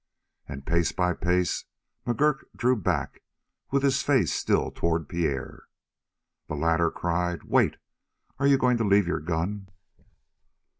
And pace by pace McGurk drew back, with his face still toward Pierre. The latter cried: "Wait. Are you going to leave your gun?"